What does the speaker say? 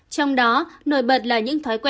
trong đó nổi bật là những thói quen